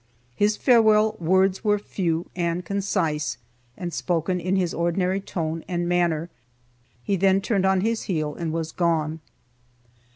His farewell words were few, and concise, and spoken in his ordinary tone and manner, he then turned on his heel, and was gone.